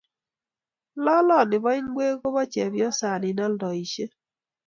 Loloni bo ingweek koba chepyosanin oldoishe